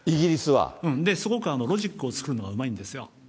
うん、すごくロジックを突くのうまいんですよ。